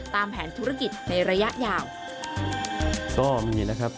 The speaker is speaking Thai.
ตามแผนธุรกิจในระยะยาว